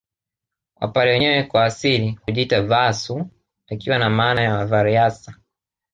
Wapare wenyewe kwa asili hujiita Vaasu ikiwa na maana ya vareasa